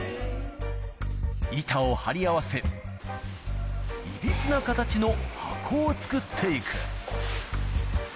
板を貼り合わせ、いびつな形の箱を作っていく。